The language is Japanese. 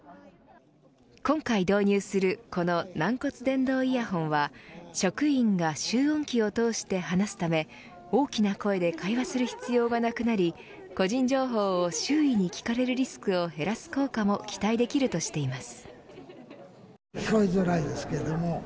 今回導入するこの軟骨伝導イヤホンは職員が集音器を通して話すため大きな声で会話する必要がなくなり、個人情報を周囲に聞かれるリスクを減らす効果も期待できるとしています。